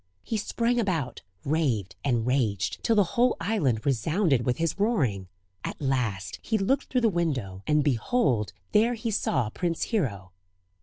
He sprang about, raved, and raged, till the whole island resounded with his roaring. At last he looked through the window, and behold there he saw Prince Hero.